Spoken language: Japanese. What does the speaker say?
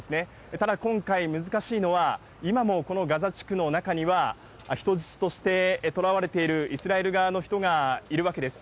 ただ今回、難しいのは、今もこのガザ地区の中には、人質として捕らわれているイスラエル側の人がいるわけです。